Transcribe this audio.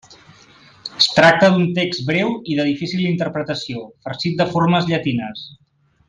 Es tracta d’un text breu i de difícil interpretació, farcit de formes llatines.